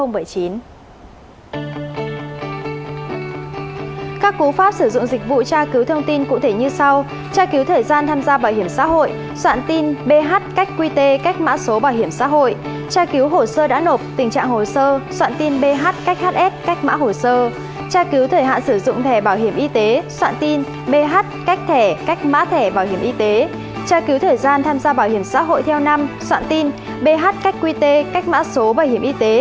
bảo hiểm xã hội theo năm soạn tin bh cách quy tê cách mã số bảo hiểm y tế cách từ năm cách đến năm